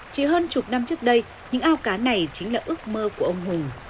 chỉ hơn chục năm trước đây những ao cá này chính là ước mơ của ông hùng